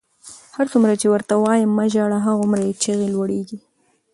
هرڅومره چې ورته وایم مه ژاړه، هغومره یې چیغې لوړېږي.